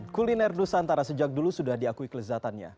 kuliner nusantara sejak dulu sudah diakui kelezatannya